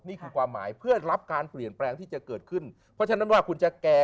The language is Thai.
นี่คือความหมายเพื่อรับการเปลี่ยนแปลงที่จะเกิดขึ้นเพราะฉะนั้นว่าคุณจะแก่